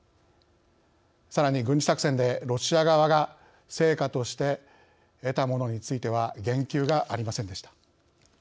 さらに軍事作戦でロシア側が「成果」として得たものについては言及がありませんでした。